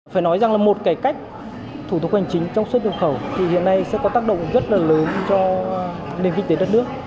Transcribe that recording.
phải nói rằng là một cải cách thủ tục hành chính trong xuất nhập khẩu thì hiện nay sẽ có tác động rất là lớn cho nền kinh tế đất nước